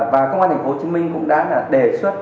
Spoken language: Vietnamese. và công an tp hcm cũng đã đề xuất